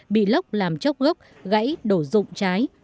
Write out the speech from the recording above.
bị lóc làm chốc gốc gãy đổ rụng trái